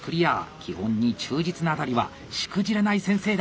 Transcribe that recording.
基本に忠実なあたりはしくじらない先生だ！